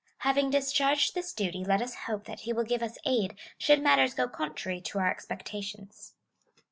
Having discharged this duty, let us hope that he will give us aid should matters go contrary to our expectations.